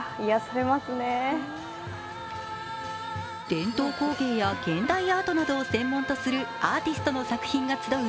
伝統工芸や現代アートなどを専門とするアーティストの作品が集う